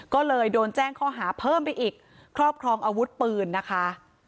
ก็เลยโดนแจ้งข้อหาเพิ่มไปอีกครอบครองอาวุธปืนนะคะ